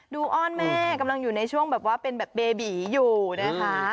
อ้อนแม่กำลังอยู่ในช่วงแบบว่าเป็นแบบเบบีอยู่นะคะ